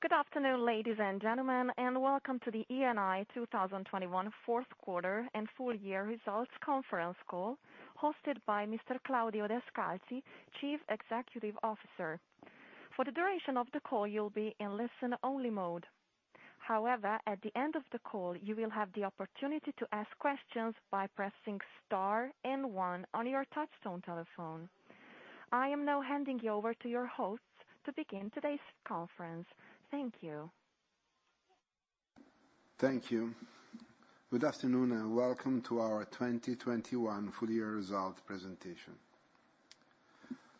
Good afternoon, ladies and gentlemen, and welcome to the Eni 2021 fourth quarter and full year results conference call hosted by Mr. Claudio Descalzi, Chief Executive Officer. For the duration of the call, you'll be in listen only mode. However, at the end of the call, you will have the opportunity to ask questions by pressing star and one on your touchtone telephone. I am now handing you over to your hosts to begin today's conference. Thank you. Thank you. Good afternoon, and welcome to our 2021 full year results presentation.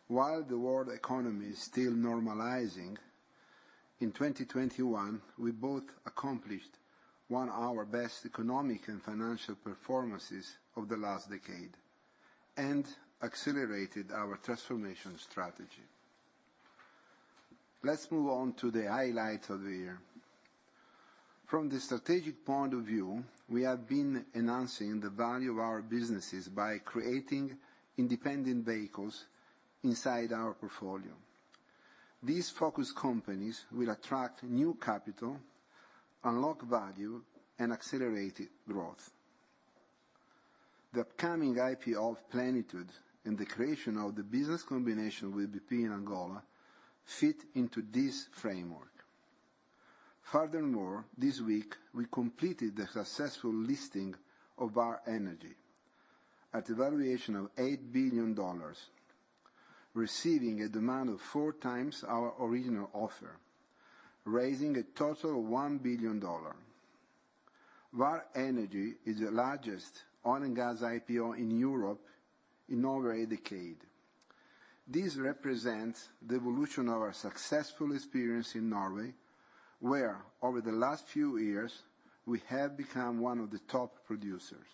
While the world economy is still normalizing, in 2021, we both accomplished one of our best economic and financial performances of the last decade and accelerated our transformation strategy. Let's move on to the highlight of the year. From the strategic point of view, we have been enhancing the value of our businesses by creating independent vehicles inside our portfolio. These focus companies will attract new capital, unlock value and accelerated growth. The upcoming IPO of Plenitude and the creation of the business combination with BP in Angola fit into this framework. Furthermore, this week we completed the successful listing of Vår Energi at a valuation of $8 billion, receiving a demand of 4 times our original offer, raising a total of $1 billion. Vår Energi is the largest oil and gas IPO in Europe in over a decade. This represents the evolution of our successful experience in Norway, where over the last few years we have become one of the top producers.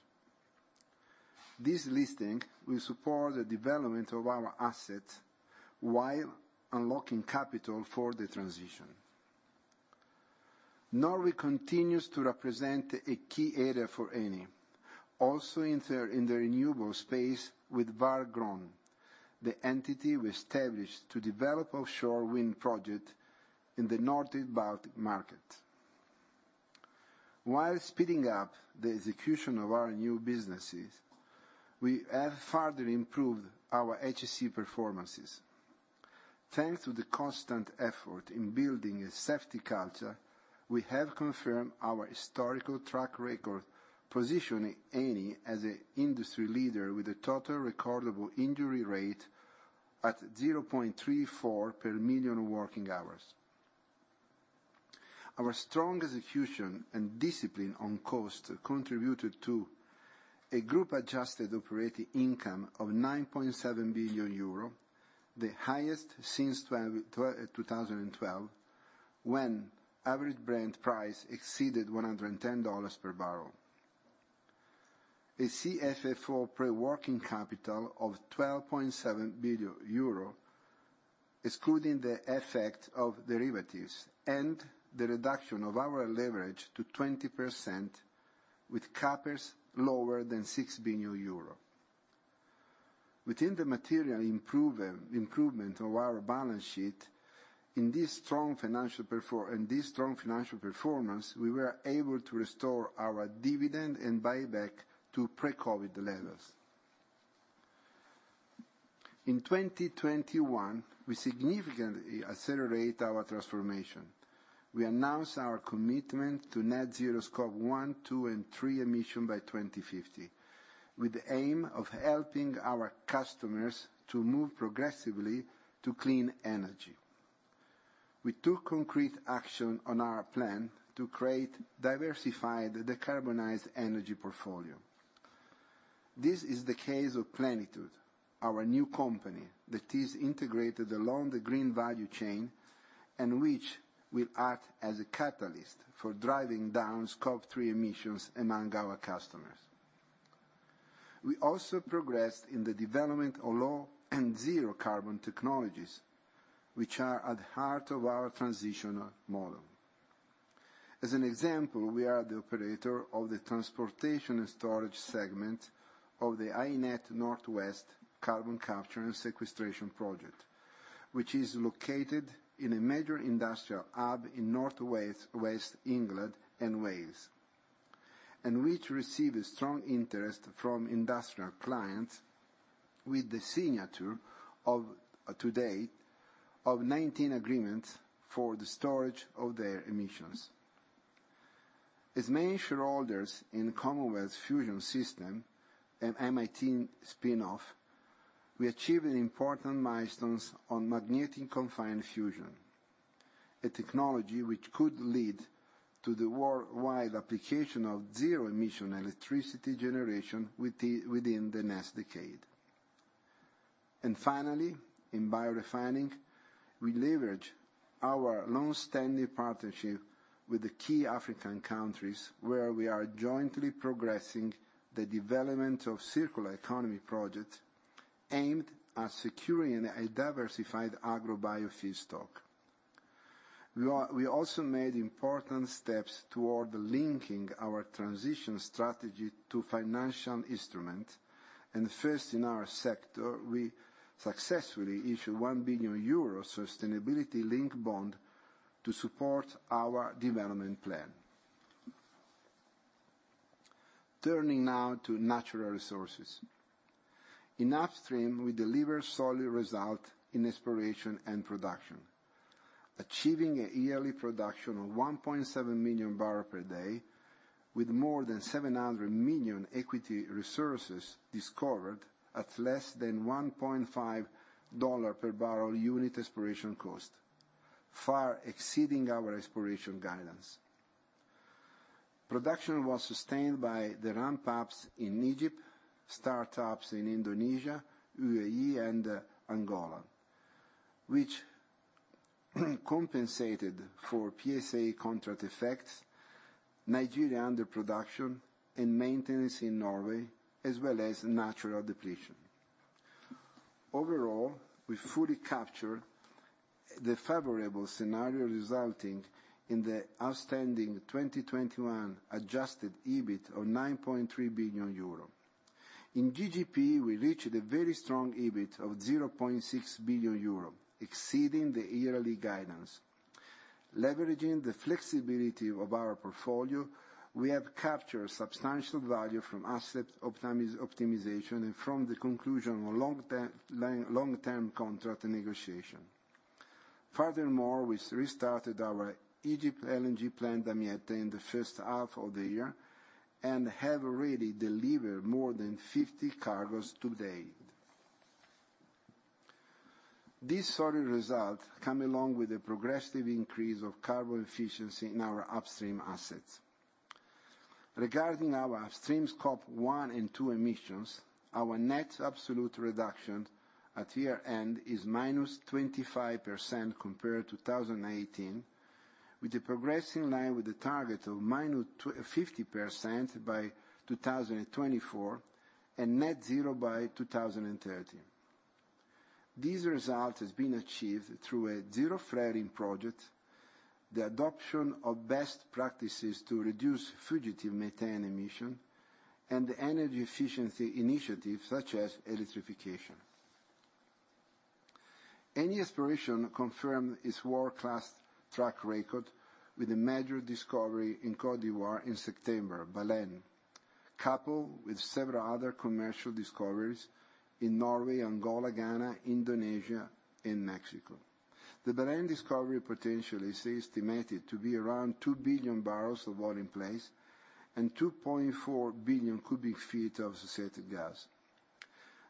This listing will support the development of our assets while unlocking capital for the transition. Norway continues to represent a key area for Eni, also in the renewable space with Vårgrønn, the entity we established to develop offshore wind project in the Northeast Baltic market. While speeding up the execution of our new businesses, we have further improved our HSE performances. Thanks to the constant effort in building a safety culture, we have confirmed our historical track record, positioning Eni as an industry leader with a total recordable injury rate at 0.34 per million working hours. Our strong execution and discipline on cost contributed to a group adjusted operating income of 9.7 billion euro, the highest since 2012, when average Brent price exceeded $110 per barrel, with a CFFO pre-working capital of 12.7 billion euro, excluding the effect of derivatives and the reduction of our leverage to 20% with CapEx lower than 6 billion euro. Within the material improvement of our balance sheet, in this strong financial performance, we were able to restore our dividend and buyback to pre-COVID levels. In 2021, we significantly accelerate our transformation. We announced our commitment to net zero Scope 1, 2, and 3 emission by 2050, with the aim of helping our customers to move progressively to clean energy. We took concrete action on our plan to create diversified decarbonized energy portfolio. This is the case of Plenitude, our new company that is integrated along the green value chain and which will act as a catalyst for driving down Scope 3 emissions among our customers. We also progressed in the development of low and zero carbon technologies, which are at the heart of our transitional model. As an example, we are the operator of the transportation and storage segment of the HyNet North West carbon capture and sequestration project, which is located in a major industrial hub in Northwest England and Wales, and which received a strong interest from industrial clients with the signature today of 19 agreements for the storage of their emissions. As main shareholders in Commonwealth Fusion Systems, an MIT spinoff, we achieved an important milestone on magnetic confinement fusion, a technology which could lead to the worldwide application of zero-emission electricity generation within the next decade. Finally, in biorefining, we leverage our long-standing partnership with the key African countries where we are jointly progressing the development of circular economy projects aimed at securing a diversified agro-bio feedstock. We also made important steps toward linking our transition strategy to financial instrument. First in our sector, we successfully issued 1 billion euros sustainability-linked bond to support our development plan. Turning now to natural resources. In upstream, we deliver solid results in exploration and production, achieving a yearly production of 1.7 million barrels per day, with more than 700 million equity resources discovered at less than $1.5 per barrel unit exploration cost, far exceeding our exploration guidance. Production was sustained by the ramp-ups in Egypt, startups in Indonesia, UAE, and Angola, which compensated for PSA contract effects, Nigeria underproduction, and maintenance in Norway, as well as natural depletion. Overall, we fully capture the favorable scenario resulting in the outstanding 2021 adjusted EBIT of 9.3 billion euro. In GGP, we reached a very strong EBIT of 0.6 billion euro, exceeding the yearly guidance. Leveraging the flexibility of our portfolio, we have captured substantial value from asset optimization and from the conclusion of long-term contract negotiation. Furthermore, we restarted our Egypt LNG plant, Damietta, in the first half of the year and have already delivered more than 50 cargoes to date. This solid result come along with a progressive increase of carbon efficiency in our upstream assets. Regarding our upstream Scope 1 and 2 emissions, our net absolute reduction at year-end is -25% compared to 2018, with the progression in line with the target of -50% by 2024, and net zero by 2030. This result has been achieved through a zero flaring project, the adoption of best practices to reduce fugitive methane emission, and energy efficiency initiatives such as electrification. Eni Exploration confirmed its world-class track record with a major discovery in Côte d'Ivoire in September, Baleine, coupled with several other commercial discoveries in Norway, Angola, Ghana, Indonesia, and Mexico. The Baleine discovery potential is estimated to be around 2 billion barrels of oil in place and 2.4 billion cu ft of associated gas.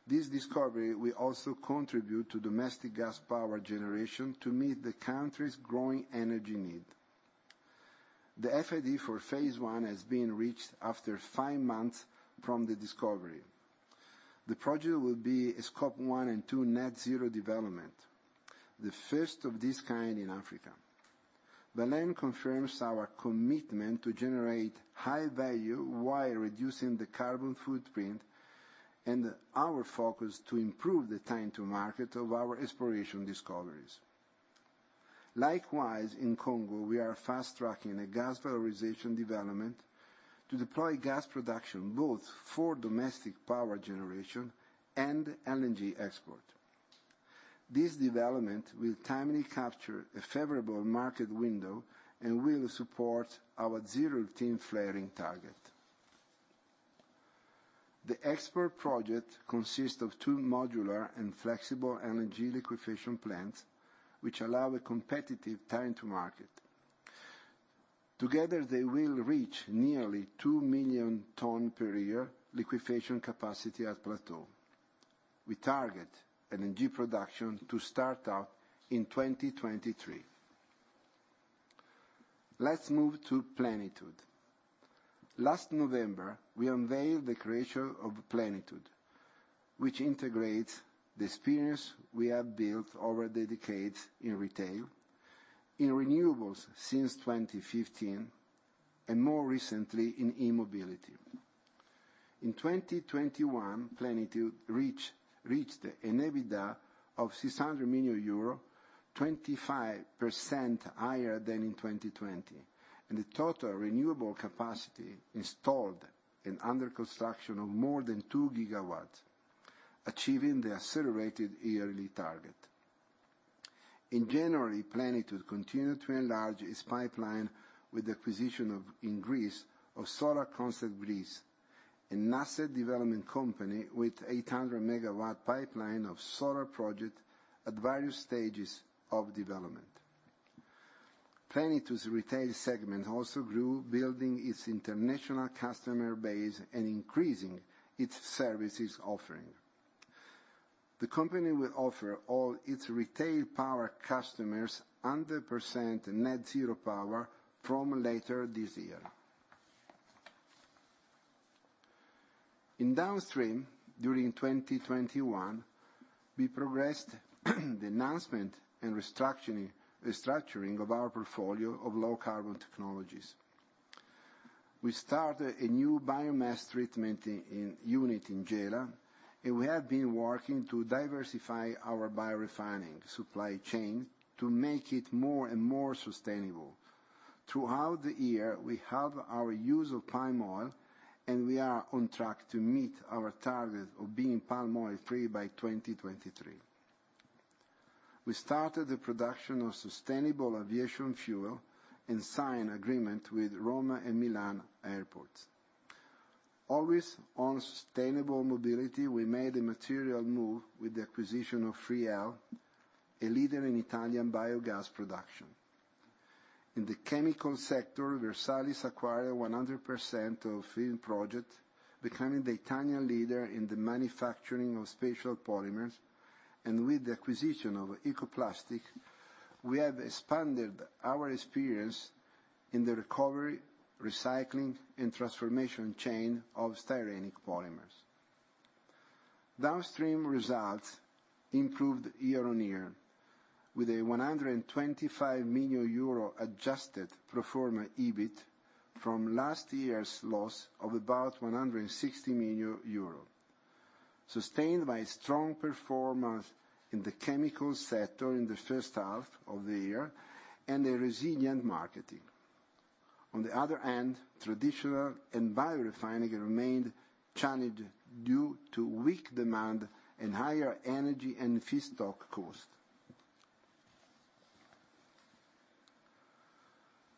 This discovery will also contribute to domestic gas power generation to meet the country's growing energy need. The FID for phase 1 has been reached after five months from the discovery. The project will be a Scope 1 and 2 net-zero development, the first of this kind in Africa. Baleine confirms our commitment to generate high value while reducing the carbon footprint and our focus to improve the time to market of our exploration discoveries. Likewise, in Congo, we are fast-tracking a gas valorization development to deploy gas production both for domestic power generation and LNG export. This development will timely capture a favorable market window and will support our zero routine flaring target. The export project consists of two modular and flexible LNG liquefaction plants, which allow a competitive time to market. Together, they will reach nearly 2 million tons per year liquefaction capacity at plateau. We target LNG production to start up in 2023. Let's move to Plenitude. Last November, we unveiled the creation of Plenitude, which integrates the experience we have built over the decades in retail, in renewables since 2015, and more recently in e-mobility. In 2021, Plenitude reached an EBITDA of 600 million euro, 25% higher than in 2020, and a total renewable capacity installed and under construction of more than 2 GW, achieving the accelerated yearly target. In January, Plenitude continued to enlarge its pipeline with the acquisition of, in Greece, of Solar Konzept Greece, an asset development company with 800 MW pipeline of solar project at various stages of development. Plenitude's retail segment also grew, building its international customer base and increasing its services offering. The company will offer all its retail power customers 100% net-zero power from later this year. In downstream, during 2021, we progressed the enhancement and restructuring of our portfolio of low carbon technologies. We started a new biomass treatment unit in Gela, and we have been working to diversify our biorefining supply chain to make it more and more sustainable. Throughout the year, we halved our use of palm oil, and we are on track to meet our target of being palm oil-free by 2023. We started the production of sustainable aviation fuel and signed agreement with Roma and Milan airports. Always on sustainable mobility, we made a material move with the acquisition of FRI-EL, a leader in Italian biogas production. In the chemical sector, Versalis acquired 100% of Finproject, becoming the Italian leader in the manufacturing of special polymers. With the acquisition of Ecoplastic, we have expanded our experience in the recovery, recycling and transformation chain of styrenic polymers. Downstream results improved year-on-year with 125 million euro adjusted pro forma EBIT from last year's loss of about 160 million euro, sustained by strong performance in the chemical sector in the first half of the year and a resilient marketing. On the other hand, traditional and biorefining remained challenged due to weak demand and higher energy and feedstock costs.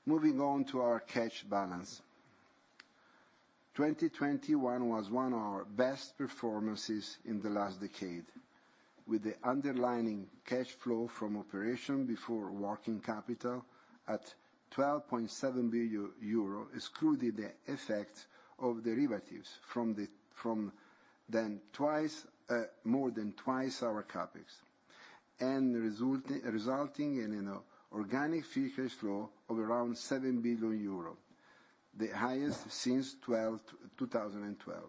Moving on to our cash balance. 2021 was one of our best performances in the last decade, with the underlying cash flow from operation before working capital at 12.7 billion euro, excluding the effect of derivatives, more than twice our CapEx and resulting in an organic free cash flow of around 7 billion euro, the highest since 2012.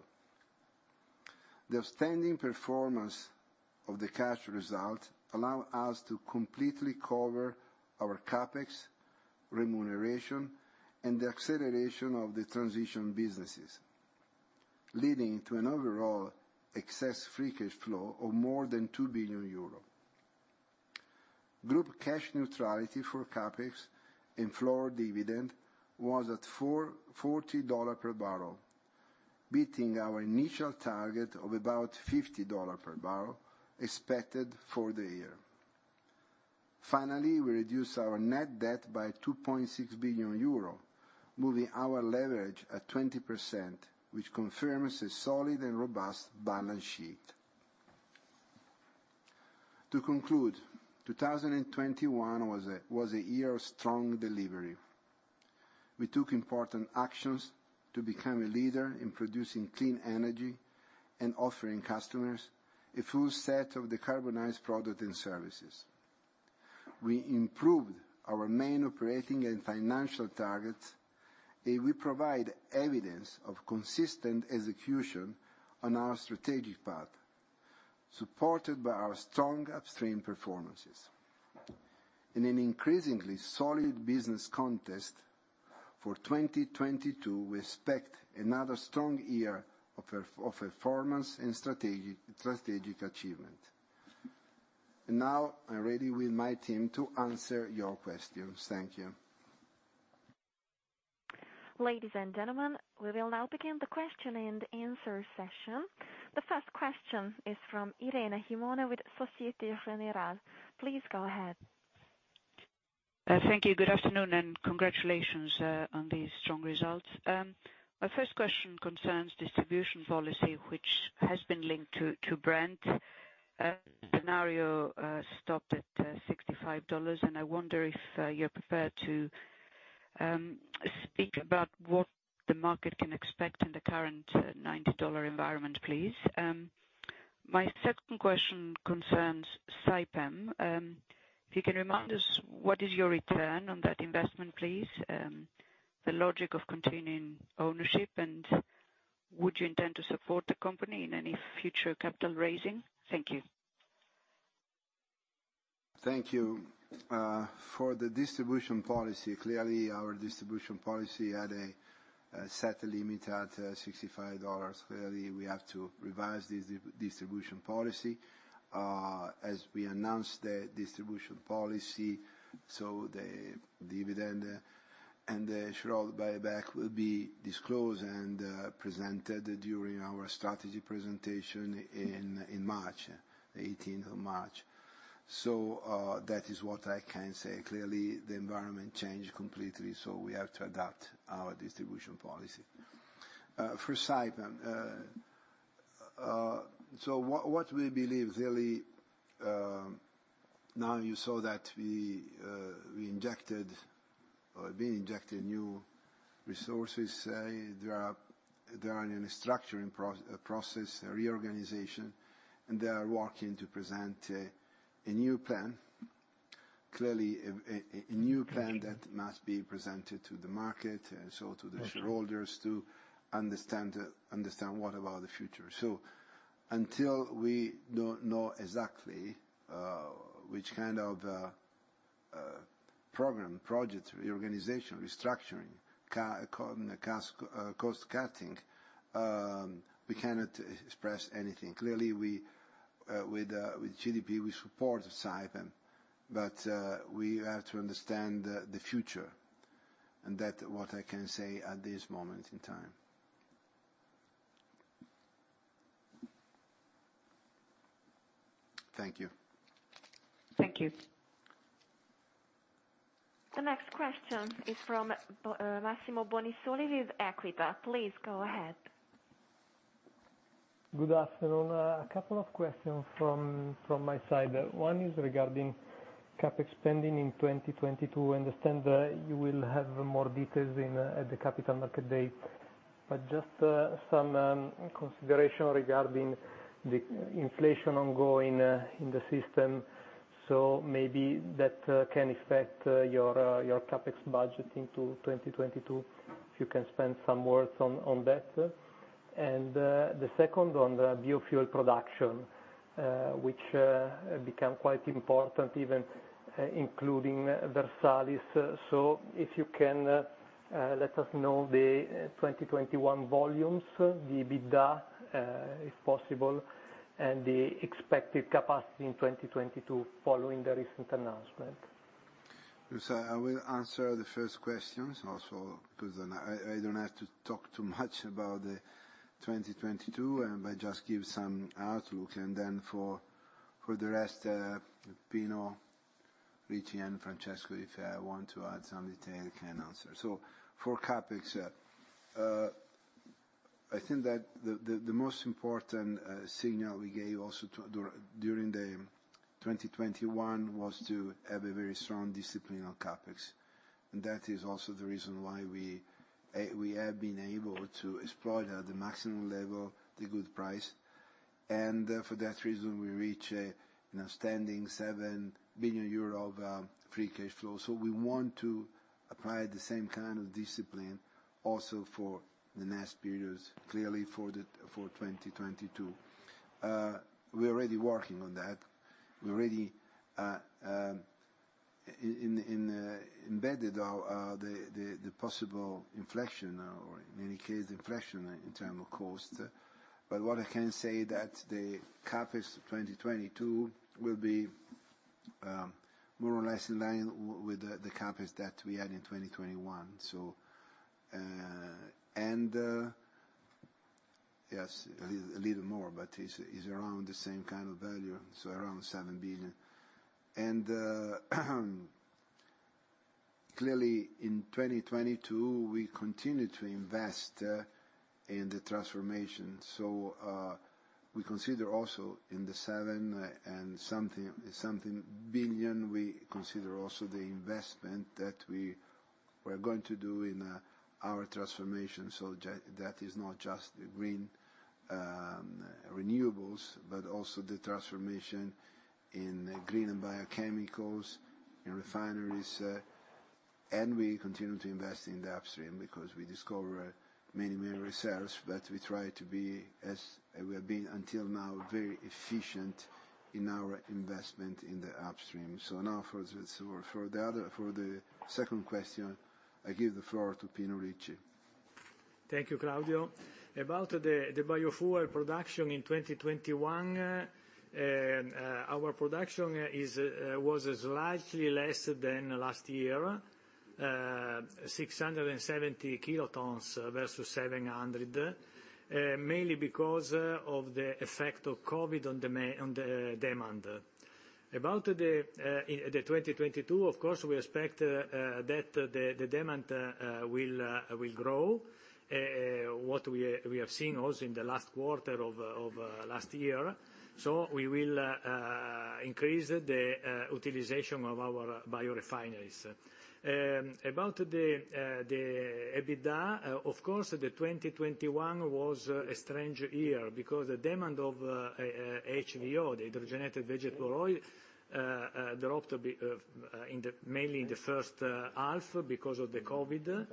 The outstanding performance of the cash result allow us to completely cover our CapEx remuneration and the acceleration of the transition businesses, leading to an overall excess free cash flow of more than 2 billion euro. Group cash neutrality for CapEx and floor dividend was at $44 per barrel, beating our initial target of about $50 per barrel expected for the year. Finally, we reduced our net debt by 2.6 billion euro, moving our leverage at 20%, which confirms a solid and robust balance sheet. To conclude, 2021 was a year of strong delivery. We took important actions to become a leader in producing clean energy and offering customers a full set of decarbonized products and services. We improved our main operating and financial targets. We provide evidence of consistent execution on our strategic path, supported by our strong upstream performances. In an increasingly solid business context, for 2022 we expect another strong year of performance and strategic achievement. Now I'm ready with my team to answer your questions. Thank you. Ladies and gentlemen, we will now begin the question and answer session. The first question is from Irene Himona with Société Générale. Please go ahead. Thank you. Good afternoon and congratulations on these strong results. My first question concerns distribution policy, which has been linked to Brent scenario stopped at $65. I wonder if you prefer to speak about what the market can expect in the current $90 environment, please. My second question concerns Saipem. If you can remind us what is your return on that investment, please? The logic of continuing ownership and would you intend to support the company in any future capital raising? Thank you. Thank you. For the distribution policy, clearly our distribution policy had set a limit at $65. Clearly, we have to revise this distribution policy as we announce the distribution policy. The dividend and the shareholder buyback will be disclosed and presented during our strategy presentation in March, the 18th of March. That is what I can say. Clearly, the environment changed completely, so we have to adapt our distribution policy. For Saipem, what we believe really, now you saw that we injected new resources. They are in a structuring process, a reorganization, and they are working to present a new plan. Clearly a new plan that must be presented to the market and so to the shareholders to understand what about the future. Until we don't know exactly which kind of program, project, reorganization, restructuring, cost cutting, we cannot express anything. Clearly, with CDP, we support Saipem, but we have to understand the future and that's what I can say at this moment in time. Thank you. Thank you. The next question is from Massimo Bonisoli with Equita. Please go ahead. Good afternoon. A couple of questions from my side. One is regarding CapEx spending in 2022. I understand that you will have more details in at the Capital Markets Day. Just some consideration regarding the inflation ongoing in the system, so maybe that can affect your CapEx budget into 2022. If you can spend some words on that. The second on the biofuel production, which become quite important even including Versalis. So if you can let us know the 2021 volumes, the EBITDA, if possible, and the expected capacity in 2022 following the recent announcement. I will answer the first questions also, because then I don't have to talk too much about 2022, but just give some outlook. For the rest, Pino Ricci and Francesco, if they want to add some detail, they can answer. For CapEx, I think that the most important signal we gave also during 2021 was to have a very strong discipline on CapEx. That is also the reason why we have been able to exploit at the maximum level the good price. For that reason, we reach an outstanding 7 billion euro of free cash flow. We want to apply the same kind of discipline also for the next periods, clearly for 2022. We're already working on that. We're already embedded in the possible inflection or in any case inflection in terms of cost. What I can say that the CapEx 2022 will be more or less in line with the CapEx that we had in 2021. Yes, a little more, but it's around the same kind of value, so around 7 billion. Clearly, in 2022, we continue to invest in the transformation. We consider also in the 7-something billion, we consider also the investment that we were going to do in our transformation. That is not just the green renewables, but also the transformation in green and biochemicals, in refineries. We continue to invest in the upstream because we discover many, many reserves, but we try to be, as we have been until now, very efficient in our investment in the upstream. For the other, for the second question, I give the floor to Pino Ricci. Thank you, Claudio. About the biofuel production in 2021, our production was slightly less than last year, 670 kilotons versus 700 kilotons, mainly because of the effect of COVID on the demand. About the 2022, of course, we expect that the demand will grow what we have seen also in the last quarter of last year. We will increase the utilization of our biorefineries. About the EBITDA, of course, the 2021 was a strange year because the demand of HVO, the hydrotreated vegetable oil, dropped mainly in the first half because of COVID.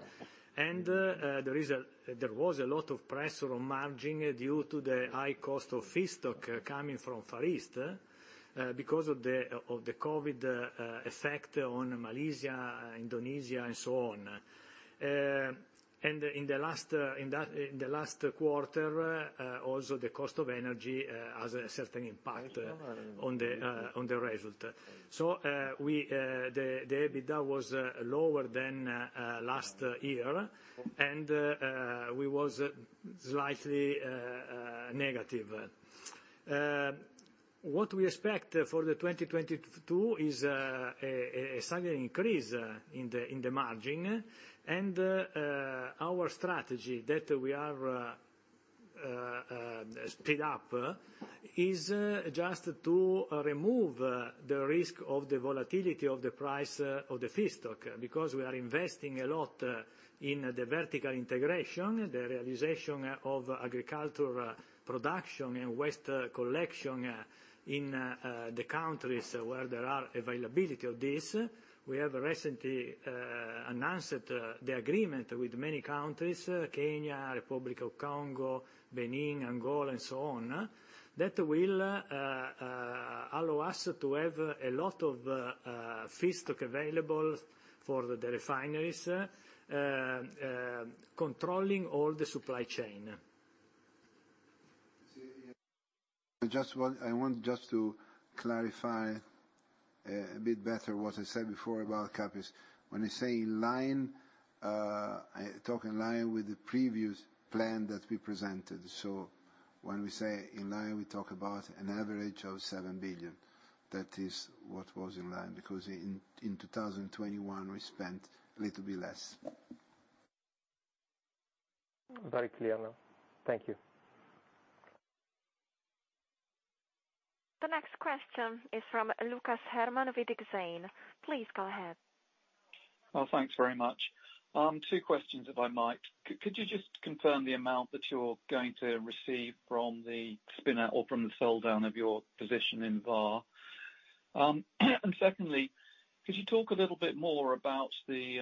There was a lot of pressure on margin due to the high cost of feedstock coming from Far East, because of the COVID effect on Malaysia, Indonesia, and so on. In the last quarter, also the cost of energy has a certain impact on the result. The EBITDA was lower than last year, and we was slightly negative. What we expect for 2022 is a sudden increase in the margin. Our strategy that we are speeding up is just to remove the risk of the volatility of the price of the feedstock, because we are investing a lot in the vertical integration, the realization of agricultural production and waste collection in the countries where there are availability of this. We have recently announced the agreement with many countries, Kenya, Republic of Congo, Benin, Angola, and so on, that will allow us to have a lot of feedstock available for the refineries, controlling all the supply chain. I just want to clarify a bit better what I said before about CapEx. When I say in line, I talk in line with the previous plan that we presented. When we say in line, we talk about an average of 7 billion. That is what was in line. Because in 2021 we spent a little bit less. Very clear now. Thank you. The next question is from Lucas Herrmann with Exane. Please go ahead. Thanks very much. Two questions, if I might. Could you just confirm the amount that you're going to receive from the spin-out or from the sell-down of your position in Vår Energi, and secondly, could you talk a little bit more about the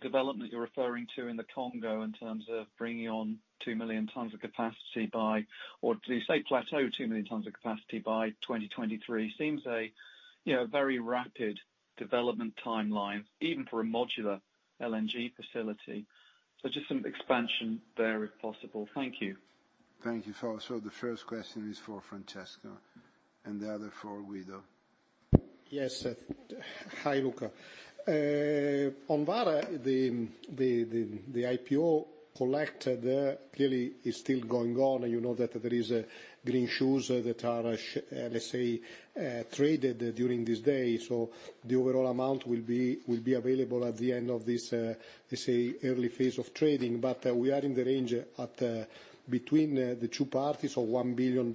development you're referring to in the Congo in terms of bringing on 2 million tons of capacity by. Or did you say plateau 2 million tons of capacity by 2023? Seems a you know very rapid development timeline, even for a modular LNG facility. So just some expansion there, if possible. Thank you. Thank you. The first question is for Francesco and the other for Guido. Yes. Hi, Luca. On Vår, the IPO there clearly is still going on, and you know that there is greenshoe that are traded during this day. The overall amount will be available at the end of this early phase of trading. We are in the range between the two parts of $1 billion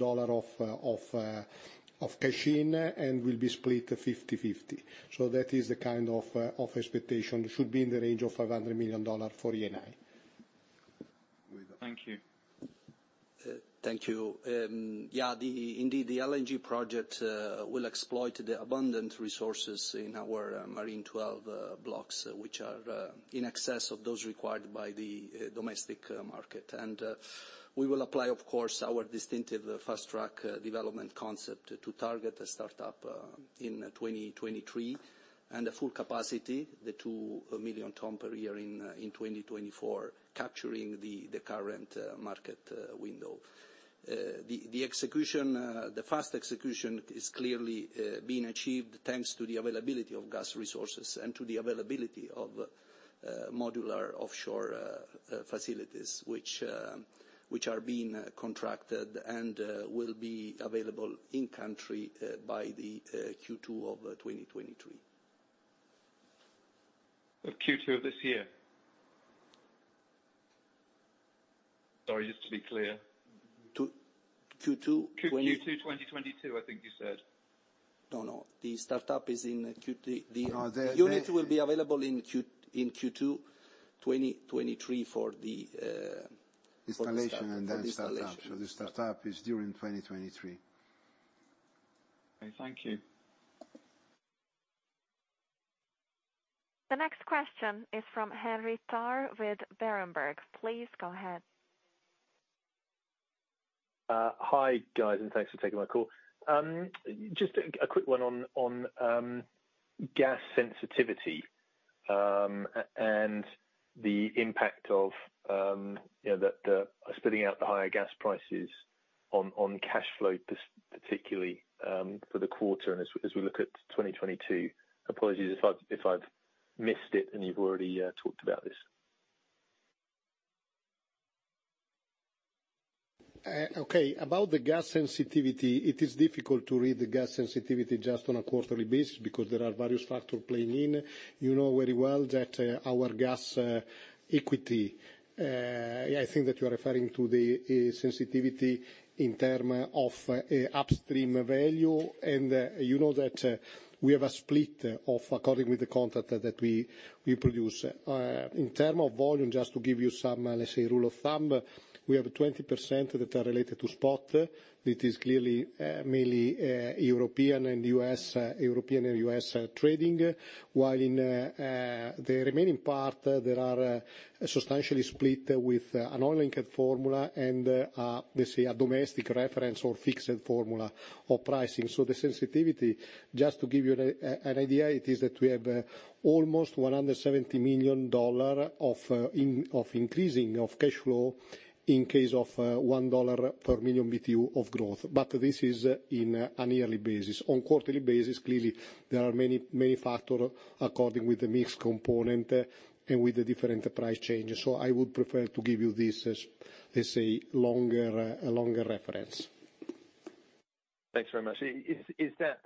of cash in, and will be split 50/50. That is the kind of expectation. It should be in the range of $500 million for Eni. Thank you. Thank you. Yeah, indeed, the LNG project will exploit the abundant resources in our Marine XII blocks, which are in excess of those required by the domestic market. We will apply, of course, our distinctive fast-track development concept to target the startup in 2023, and at full capacity, the 2 million tons per year in 2024, capturing the current market window. The fast execution is clearly being achieved, thanks to the availability of gas resources and to the availability of modular offshore facilities, which are being contracted and will be available in country by the Q2 of 2023. Of Q2 of this year? Sorry, just to be clear. 2, Q2 20- Q2 2022, I think you said. No, no. The startup is in Q2. The No, the- The unit will be available in Q2 2023 for the startup. Installation and then startup. For the installation. The startup is during 2023. Okay, thank you. The next question is from Henry Tarr with Berenberg. Please go ahead. Hi, guys, and thanks for taking my call. Just a quick one on gas sensitivity and the impact of, you know, the splitting out the higher gas prices on cash flow particularly for the quarter and as we look at 2022. Apologies if I've missed it and you've already talked about this. About the gas sensitivity, it is difficult to read the gas sensitivity just on a quarterly basis, because there are various factors playing in. You know very well that, I think that you're referring to the sensitivity in terms of upstream value, and you know that we have a split according to the contracts that we have. In terms of volume, just to give you some, let's say, rule of thumb, we have 20% that are related to spot. It is clearly mainly European and U.S. trading. While in the remaining part, there are substantially split with an oil-linked formula and, let's say, a domestic reference or fixed formula of pricing. The sensitivity, just to give you an idea, it is that we have almost $170 million of increasing cash flow in case of $1 per million BTU of growth. This is on a yearly basis. On quarterly basis, clearly there are many factors according with the mix component and with the different price changes. I would prefer to give you this as, let's say, a longer reference. Thanks very much. Is that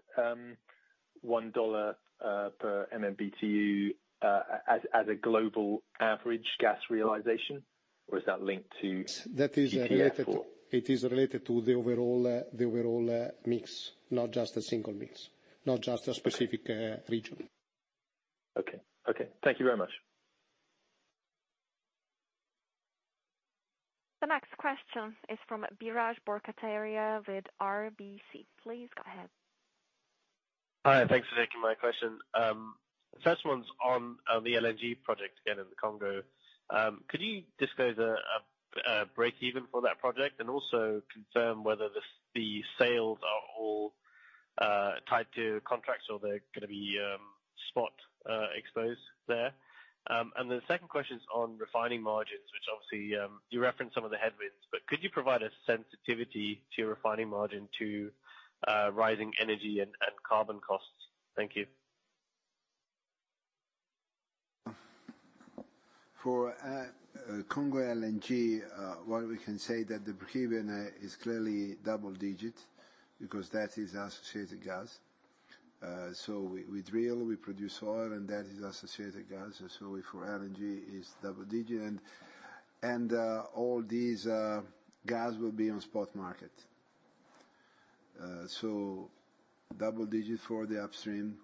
$1 per MMBTU as a global average gas realization, or is that linked to- That is related. U.K. import? It is related to the overall mix, not just a single mix. Not just a specific- Okay ..region. Okay. Thank you very much. The next question is from Biraj Borkhataria with RBC. Please go ahead. Hi, thanks for taking my question. First one's on the LNG project, again, in the Congo. Could you disclose a breakeven for that project, and also confirm whether the sale tied to contracts or they're gonna be spot exposed there. The second question's on refining margins, which obviously you referenced some of the headwinds, but could you provide a sensitivity to your refining margin to rising energy and carbon costs? Thank you. For Congo LNG, what we can say is that the pre-FID is clearly double-digit, because that is associated gas. We drill, we produce oil, and that is associated gas. For LNG is double-digit. All these gas will be on spot market. Double-digit for the Upstream,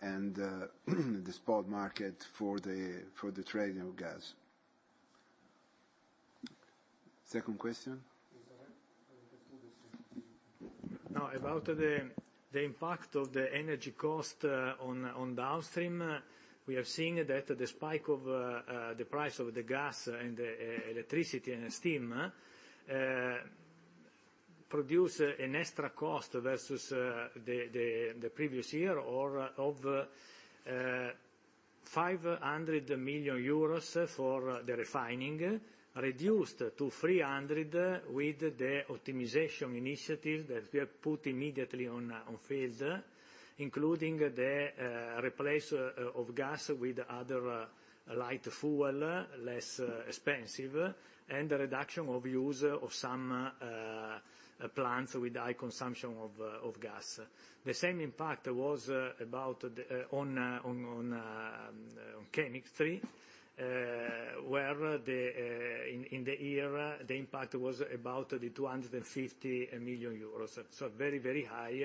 and the spot market for the trade of gas. Second question? Now, about the impact of the energy cost on downstream. We are seeing that the spike of the price of the gas and the electricity and steam produce an extra cost versus the previous year of 500 million euros for the refining, reduced to 300 million with the optimization initiative that we have put immediately on field. Including the replacement of gas with other light fuel, less expensive, and the reduction of use of some plants with high consumption of gas. The same impact was about on chemistry, where in the year, the impact was about 250 million euros. Very, very high.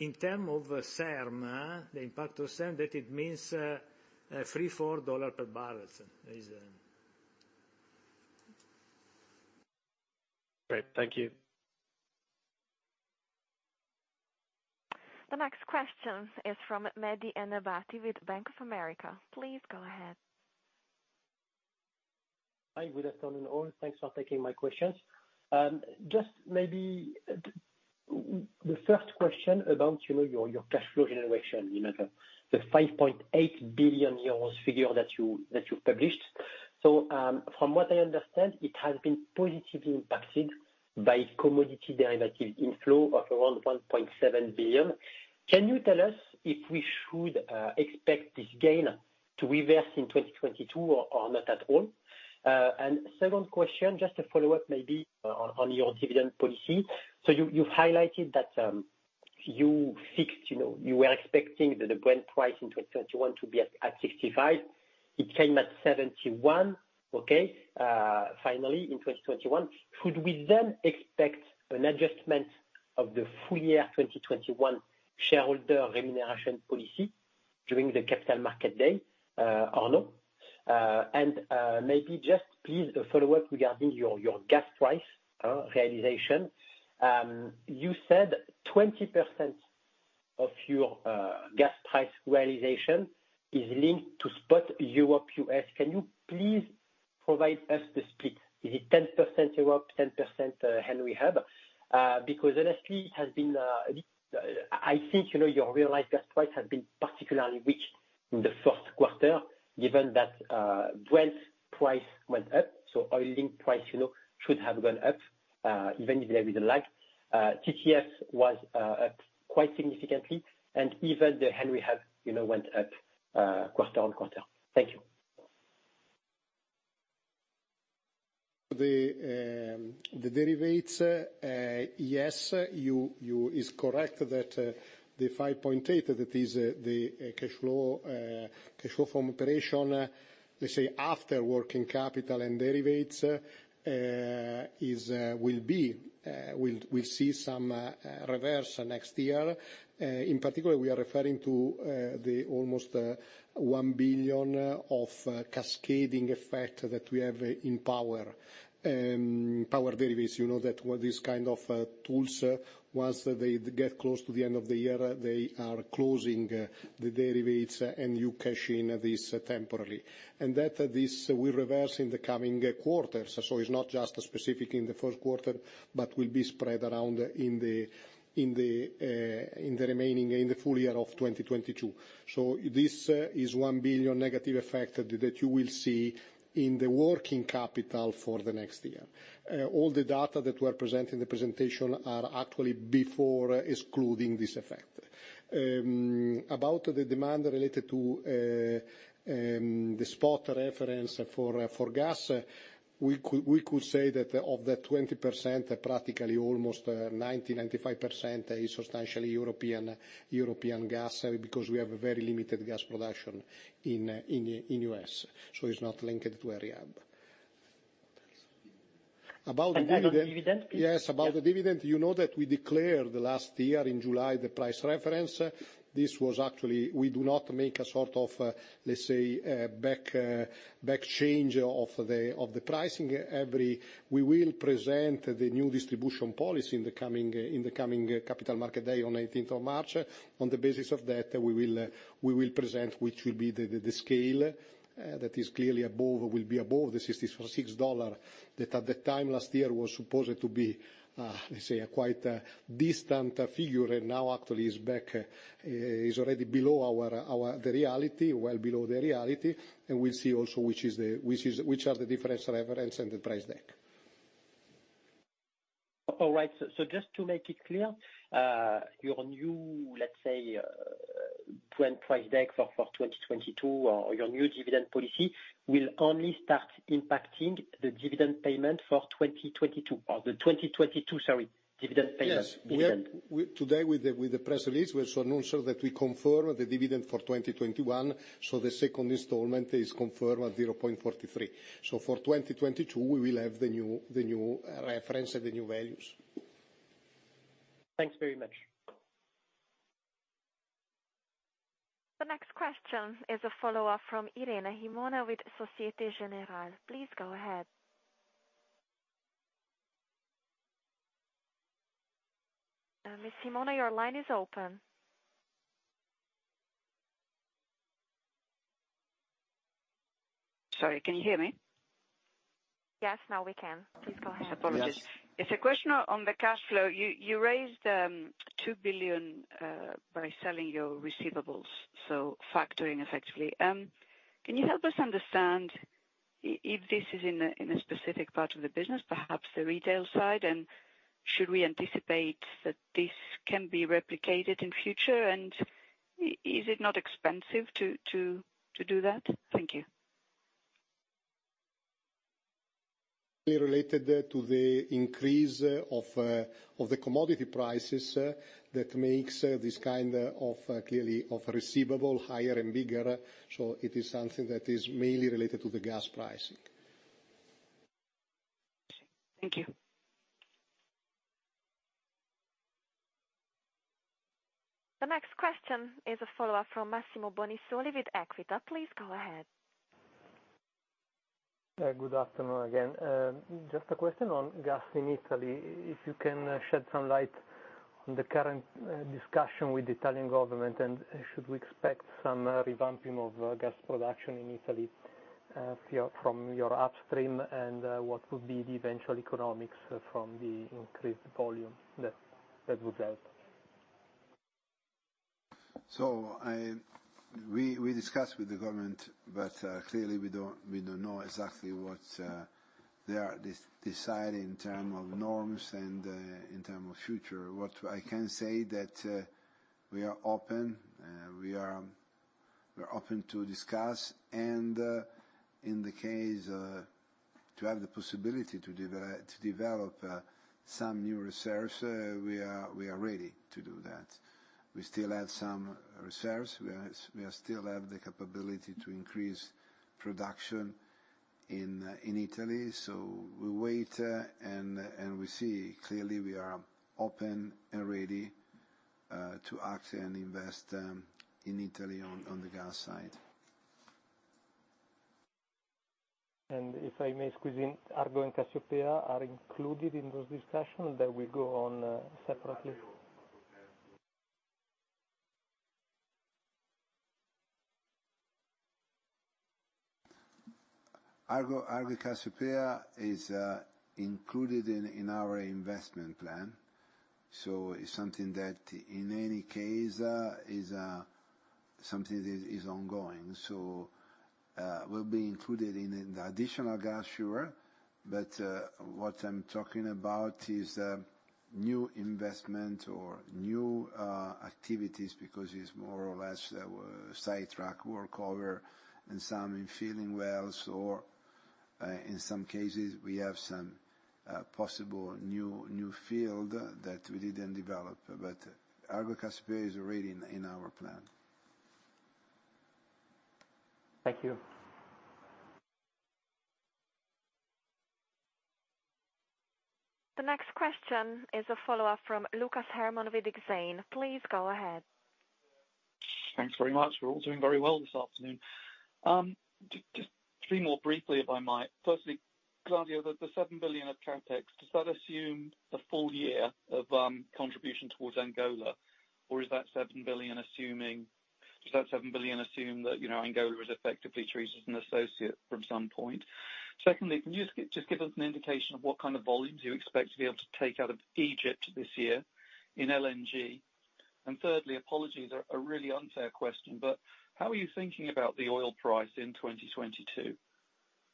In terms of SERM, the impact of SERM that it means $3-$4 per barrel. Is Great. Thank you. The next question is from Mehdi Ennebati with Bank of America. Please go ahead. Hi, good afternoon all. Thanks for taking my questions. Just maybe the first question about, you know, your cash flow generation, you know, the 5.8 billion euros figure that you published. From what I understand, it has been positively impacted by commodity derivative inflow of around 1.7 billion. Can you tell us if we should expect this gain to reverse in 2022 or not at all? And second question, just a follow-up maybe on your dividend policy. You highlighted that you fixed, you know, you were expecting the Brent price in 2021 to be at $65. It came at $71, okay, finally in 2021. Should we then expect an adjustment of the full year 2021 shareholder remuneration policy during the capital market day, or no? Maybe just please a follow-up regarding your gas price realization. You said 20% of your gas price realization is linked to spot Europe, U.S. Can you please provide us the split? Is it 10% Europe, 10% Henry Hub? Because honestly, it has been at least I think you know your realized gas price has been particularly weak in the first quarter, given that Brent price went up. So oil-linked price you know should have gone up even if there is a lag. TTF was up quite significantly, and even the Henry Hub you know went up quarter-over-quarter. Thank you. The derivatives, yes, you are correct that the 5.8 billion, that is the cash flow from operations, let's say after working capital and derivatives, will see some reversal next year. In particular, we are referring to the almost 1 billion of cascading effect that we have in power derivatives. You know that what these kind of tools, once they get close to the end of the year, they are closing the derivatives, and you cash in this temporarily. That this will reverse in the coming quarters. It's not just specific in the first quarter, but will be spread around in the remaining, in the full year of 2022. This is 1 billion negative effect that you will see in the working capital for the next year. All the data that we are presenting in the presentation are actually before excluding this effect. About the demand related to the spot reference for gas, we could say that of the 20%, practically almost 95% is substantially European gas, because we have a very limited gas production in the U.S. It's not linked to Henry Hub. About the dividend. On dividend, please. Yes, about the dividend. You know that we declared last year in July the price reference. This was actually we do not make a sort of, let's say, back change of the pricing. We will present the new distribution policy in the coming Capital Markets Day on 18th of March. On the basis of that, we will present which will be the scale that is clearly above $66, that at the time last year was supposed to be, let's say a quite distant figure, and now actually is already below our reality, well below the reality. We'll see also which are the different reference and the Brent. All right, just to make it clear, your new, let's say, planned price deck for 2022 or your new dividend policy will only start impacting the dividend payment for 2022 or the 2022, sorry, dividend payment? Yes. Today with the press release, we also announced that we confirm the dividend for 2021, so the second installment is confirmed at 0.43. For 2022 we will have the new reference and the new values. Thanks very much. The next question is a follow-up from Irene Himona with Société Générale. Please go ahead. Ms. Himona, your line is open. Sorry, can you hear me? Yes, now we can. Please go ahead. Yes. Apologies. It's a question on the cash flow. You raised 2 billion by selling your receivables, so factoring effectively. Can you help us understand if this is in a specific part of the business, perhaps the retail side, and should we anticipate that this can be replicated in future? Is it not expensive to do that? Thank you. It is related to the increase of the commodity prices that makes this kind of receivables higher and bigger. It is something that is mainly related to the gas pricing. Thank you. The next question is a follow-up from Massimo Bonisoli with Equita. Please go ahead. Good afternoon again. Just a question on gas in Italy, if you can shed some light on the current discussion with the Italian government, and should we expect some revamping of gas production in Italy, from your upstream, and what would be the eventual economics from the increased volume? That would help. We discussed with the government, but clearly we don't know exactly what they are deciding in terms of norms and in terms of future. What I can say that we are open to discuss. In the case to have the possibility to develop some new reserves, we are ready to do that. We still have some reserves. We still have the capability to increase production in Italy. We wait and we see. Clearly we are open and ready to act and invest in Italy on the gas side. If I may squeeze in, Argo and Cassiopea are included in those discussions? They will go on, separately? Argo Cassiopea is included in our investment plan. It's something that in any case is something that is ongoing. It will be included in an additional gas share. What I'm talking about is new investment or new activities, because it's more or less sidetrack work over in some infilling wells or in some cases we have some possible new field that we didn't develop. Argo Cassiopea is already in our plan. Thank you. The next question is a follow-up from Lucas Herrmann with Exane. Please go ahead. Thanks very much. We're all doing very well this afternoon. Just three more briefly, if I might. Firstly, Claudio, the 7 billion of CapEx, does that assume the full year of contribution towards Angola? Or is that seven billion assuming. Does that seven billion assume that, you know, Angola is effectively treated as an associate from some point? Secondly, can you just give us an indication of what kind of volumes you expect to be able to take out of Egypt this year in LNG? And thirdly, apologies, a really unfair question, but how are you thinking about the oil price in 2022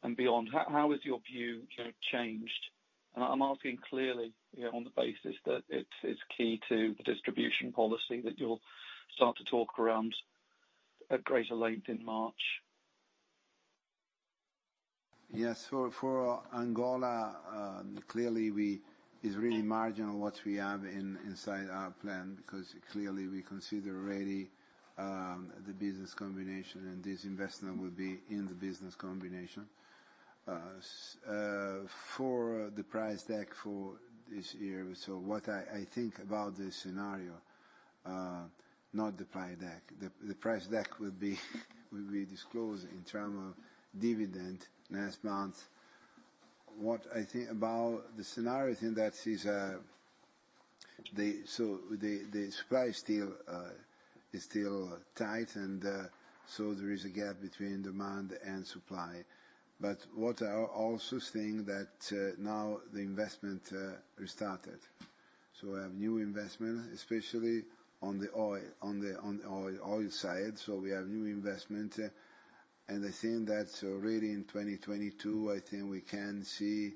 and beyond? How has your view, you know, changed? And I'm asking clearly, you know, on the basis that it's key to the distribution policy that you'll start to talk around at greater length in March. Yes. For Angola, clearly, it's really marginal what we have inside our plan, because clearly we consider already the business combination and this investment will be in the business combination. For the price deck for this year, what I think about the scenario, not the price deck. The price deck will be disclosed in terms of dividend next month. What I think about the scenario, I think that is. The supply is still tight and so there is a gap between demand and supply. What I also think that now the investment restarted. We have new investment, especially on the oil side. We have new investment, and I think that really in 2022, I think we can see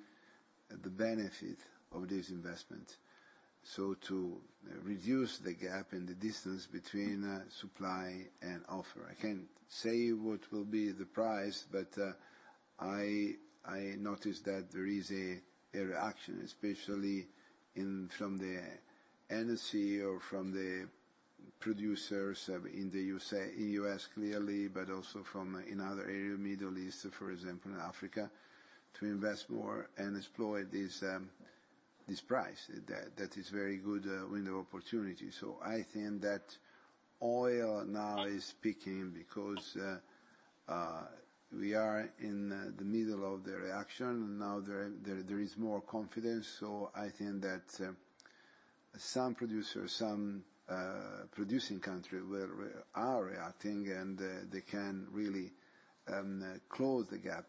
the benefit of this investment. To reduce the gap and the distance between supply and demand. I can't say what will be the price, but I noticed that there is a reaction, especially from the NOC or from the producers in the U.S., clearly, but also from other areas, the Middle East, for example, in Africa, to invest more and exploit this price. That is very good window of opportunity. I think that oil now is peaking because we are in the middle of the reaction. Now there is more confidence, so I think that some producers, some producing country are reacting and they can really close the gap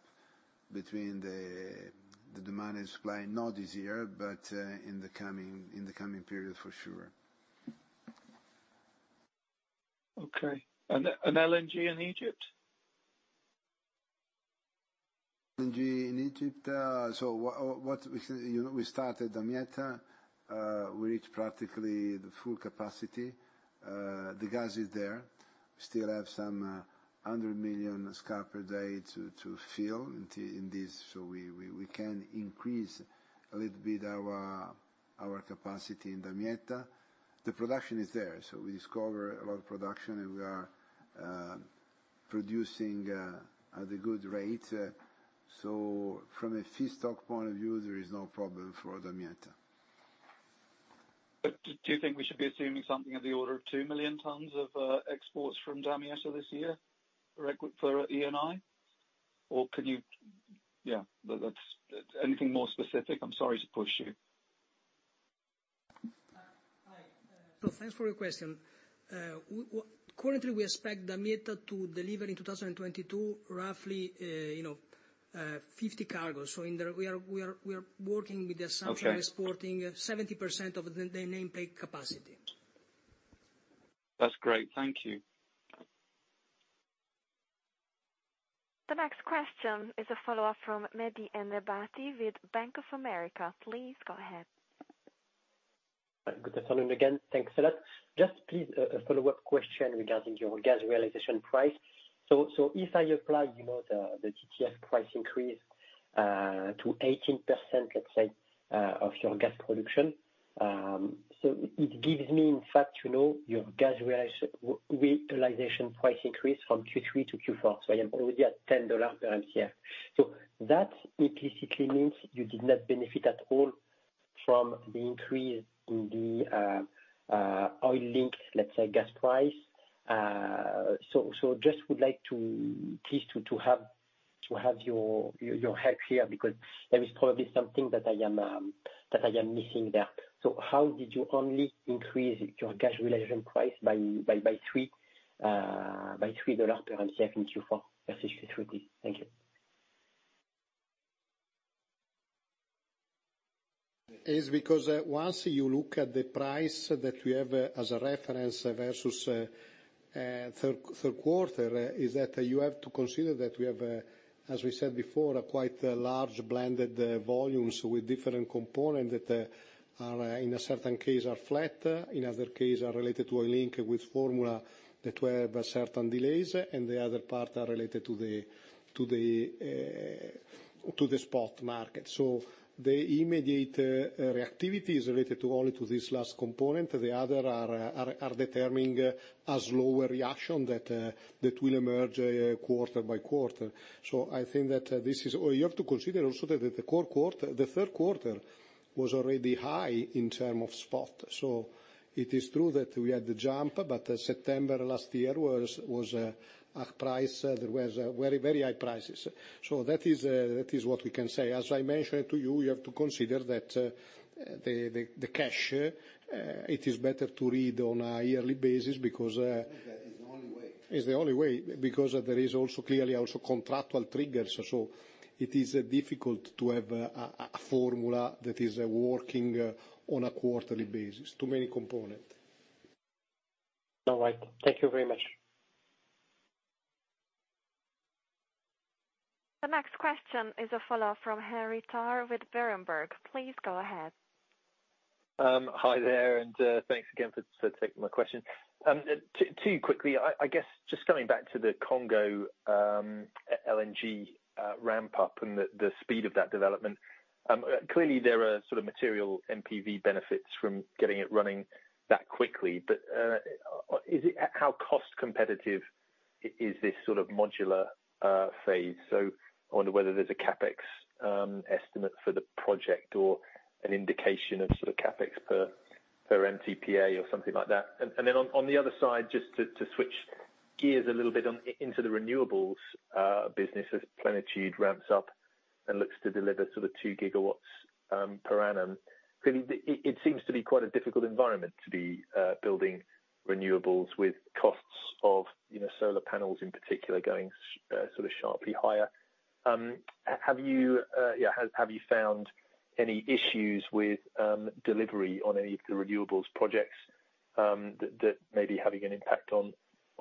between the demand and supply. Not this year, but in the coming period for sure. Okay. LNG in Egypt? LNG in Egypt, what we said, you know, we started Damietta. We reached practically the full capacity. The gas is there. Still have some 100 million scf per day to fill in this, so we can increase a little bit our capacity in Damietta. The production is there, so we discover a lot of production and we are producing at a good rate. From a feedstock point of view, there is no problem for Damietta. Do you think we should be assuming something of the order of 2 million tons of exports from Damietta this year for Eni? Or can you Yeah. That's, that's anything more specific? I'm sorry to push you. Hi. Thanks for your question. Currently, we expect Damietta to deliver in 2022 roughly, you know, 50 cargoes. In there we are working with the assumption- Okay. exporting 70% of the nameplate capacity. That's great. Thank you. The next question is a follow-up from Mehdi Ennebati with Bank of America. Please go ahead. Good afternoon again. Thanks a lot. Just a follow-up question, please, regarding your gas realization price. If I apply, you know, the TTF price increase to 18%, let's say, of your gas production, it gives me in fact, you know, your gas realization price increase from Q3 to Q4, I am already at $10 per Mcf. That implicitly means you did not benefit at all from the increase in the oil link, let's say, gas price. Just would like to please to have your help here, because there is probably something that I am missing there. How did you only increase your gas realization price by $3 per Mcf in Q4 versus Q3, please? Thank you. It's because once you look at the price that we have as a reference versus the third quarter, you have to consider that we have, as we said before, a quite large blended volumes with different components that, in a certain case, are flat, in other cases are related to a link with formulas that were by certain delays. The other part is related to the spot market. The immediate reactivity is related only to this last component. The others are determining a slower reaction that will emerge quarter by quarter. I think that this is. You have to consider also that the core quarter, the third quarter was already high in terms of spot. It is true that we had the jump, but September last year was a price. There was very high prices. That is what we can say. As I mentioned to you have to consider that the cash it is better to read on a yearly basis because That is the only way. It's the only way because there is also clearly contractual triggers. It is difficult to have a formula that is working on a quarterly basis, too many components. All right. Thank you very much. The next question is a follow-up from Henry Tarr with Berenberg. Please go ahead. Hi there, thanks again for taking my question. Two quickly. I guess just coming back to the Congo LNG ramp up and the speed of that development. Clearly there are sort of material NPV benefits from getting it running that quickly. How cost competitive is this sort of modular phase? I wonder whether there's a CapEx estimate for the project or an indication of sort of CapEx per MTPA or something like that. Then on the other side, just to switch gears a little bit into the renewables business, as Plenitude ramps up and looks to deliver sort of 2 GW per annum. Clearly it seems to be quite a difficult environment to be building renewables with costs of, you know, solar panels in particular going sort of sharply higher. Have you found any issues with delivery on any of the renewables projects that may be having an impact on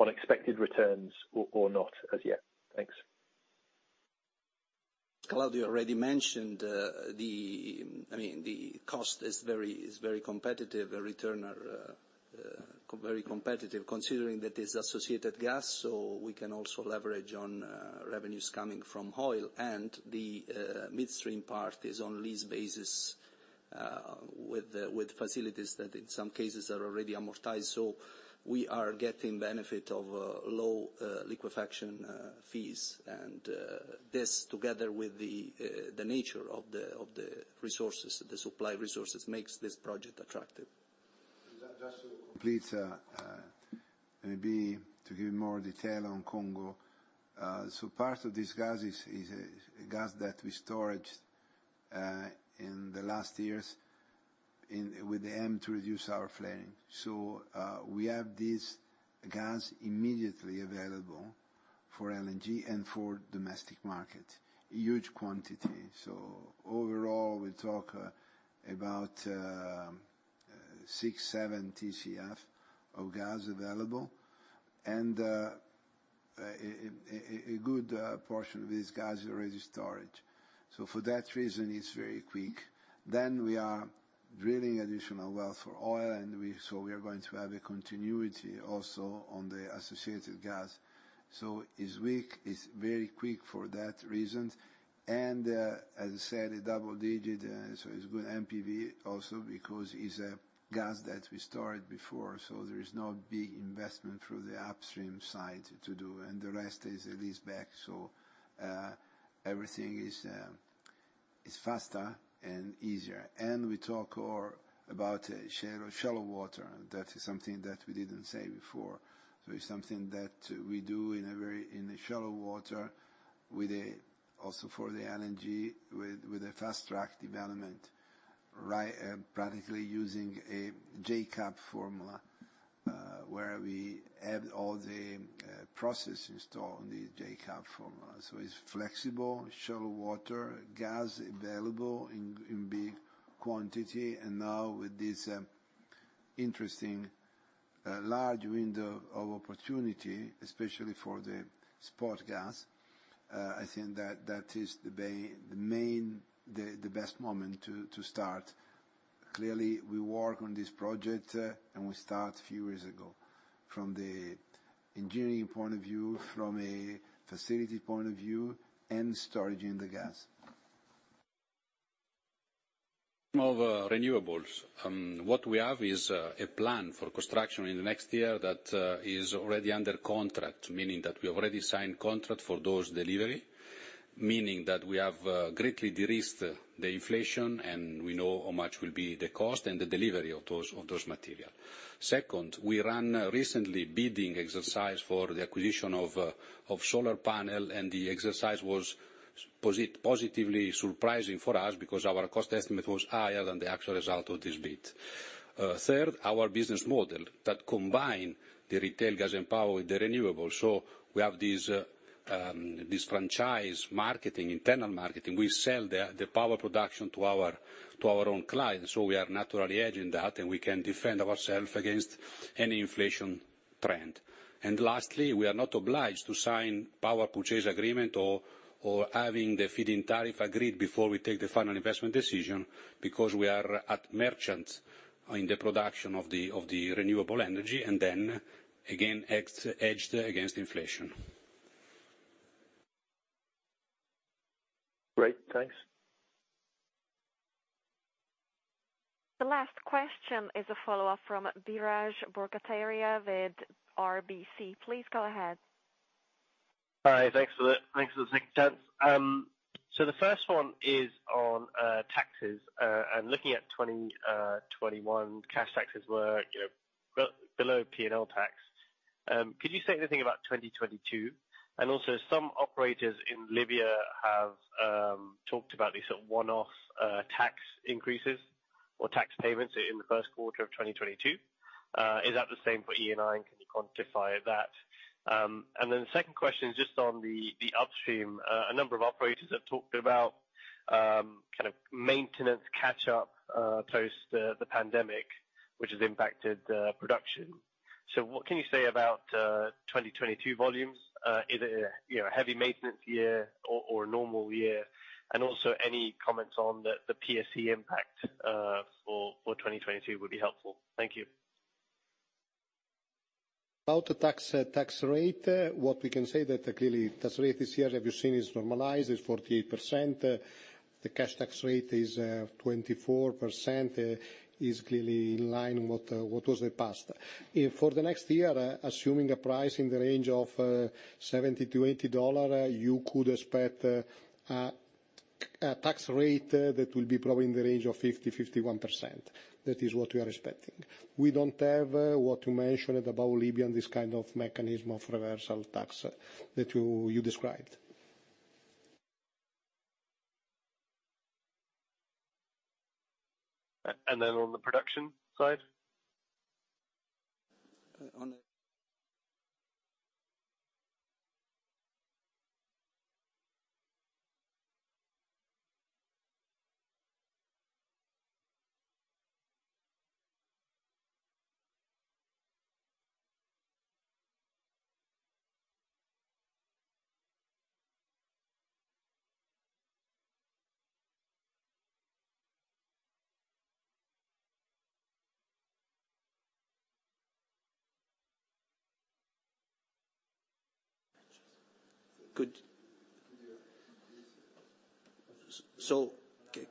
expected returns or not as yet? Thanks. Claudio already mentioned. I mean, the cost is very competitive. The return are very competitive considering that it's associated gas, so we can also leverage on revenues coming from oil. The midstream part is on lease basis with facilities that in some cases are already amortized. We are getting benefit of low liquefaction fees. This together with the nature of the supply resources makes this project attractive. Just to complete, maybe to give more detail on Congo. Part of this gas is gas that we stored in the last years with the aim to reduce our flaring. We have this gas immediately available for LNG and for domestic market. A huge quantity. Overall, we talk about 6 TCF-7 TCF of gas available. A good portion of this gas is already stored. For that reason, it's very quick. We are drilling additional well for oil, and we are going to have a continuity also on the associated gas. It's quick, it's very quick for that reason. As I said, a double digit, so it's good NPV also because it's gas that we stored before, so there is no big investment through the upstream side to do. The rest is at least back, so everything is faster and easier. We talk about shallow water. That is something that we didn't say before. It's something that we do in shallow water with a fast track development, practically using a FPSO formula, where we add all the processes to on the FPSO formula. It's flexible, it's shallow water, gas available in big quantity. Now with this interesting large window of opportunity, especially for the spot gas, I think that is the best moment to start. Clearly, we work on this project, and we start few years ago, from the engineering point of view, from a facility point of view, and storage in the gas. Of renewables. What we have is a plan for construction in the next year that is already under contract, meaning that we have already signed contract for those delivery, meaning that we have greatly de-risked the inflation, and we know how much will be the cost and the delivery of those material. Second, we ran a recent bidding exercise for the acquisition of solar panel, and the exercise was positively surprising for us because our cost estimate was higher than the actual result of this bid. Third, our business model that combine the retail gas and power with the renewables. We have this franchise marketing, internal marketing. We sell the power production to our own clients, so we are naturally hedging that, and we can defend ourself against any inflation trend. Lastly, we are not obliged to sign power purchase agreement or having the feed-in tariff agreed before we take the final investment decision, because we are a merchant in the production of the renewable energy, and then again, it's hedged against inflation. Great. Thanks. The last question is a follow-up from Biraj Borkhataria with RBC. Please go ahead. Hi. Thanks for the time. So the first one is on taxes. I'm looking at 2021, cash taxes were, you know, below P&L tax. Could you say anything about 2022? And also some operators in Libya have talked about these sort of one-off tax increases or tax payments in the first quarter of 2022. Is that the same for Eni and can you quantify that? And then the second question is just on the upstream. A number of operators have talked about kind of maintenance catch-up post the pandemic, which has impacted production. What can you say about 2022 volumes? Is it a, you know, a heavy maintenance year or a normal year? Also any comments on the PSA impact for 2022 would be helpful. Thank you. About the tax rate, what we can say is that clearly the tax rate this year, as you've seen, is normalized, it's 48%. The cash tax rate is 24%, is clearly in line with what was in the past. For the next year, assuming a price in the range of $70-$80, you could expect a tax rate that will be probably in the range of 50%-51%. That is what we are expecting. We don't have what you mentioned about Libya and this kind of mechanism of reversal tax that you described. On the production side?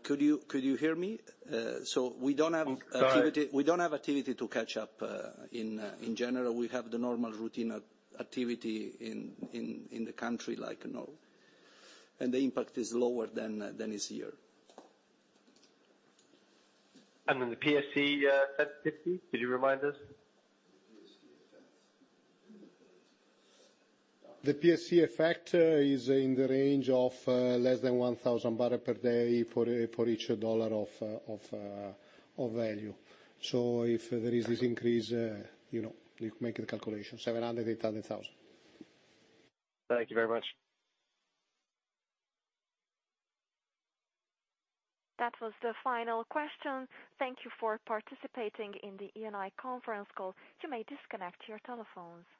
Could you hear me? We don't have- Sorry. We don't have activity to catch up in general. We have the normal routine activity in the country like, you know. The impact is lower than this year. The PSA sensitivity, could you remind us? The PSA effect is in the range of less than 1,000 barrels per day for each dollar of value. If there is this increase, you know, you can make the calculation, 700,000-800,000. Thank you very much. That was the final question. Thank you for participating in the Eni conference call. You may disconnect your telephones.